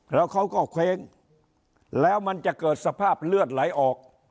แล้วเขาก็เคว้งแล้วมันจะเกิดสภาพเลือดไหลออก